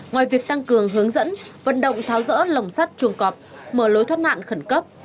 ngoài việc tăng cường hướng dẫn vận động tháo rỡ lồng sắt chuồng cọp mở lối thoát nạn khẩn cấp